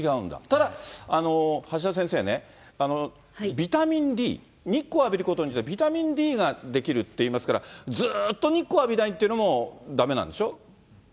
ただ、橋田先生ね、ビタミンＤ、日光を浴びることによって、ビタミンＤが出来るっていいますから、ずーっと日光浴びないというのもだめなんでしょ？